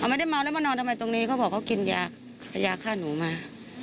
ไม่ได้เมาแล้วมานอนทำไมตรงนี้เขาบอกเขากินยาฆ่าหนูมา